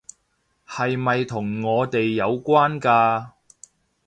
係咪同我哋有關㗎？